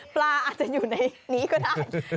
ปลาอาจจะอยู่ในนี้ก็ได้